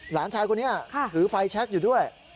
หลานชายคนนี้ถือไฟแชคอยู่ด้วย